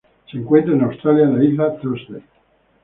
Se encuentra en Australia en la isla Thursday.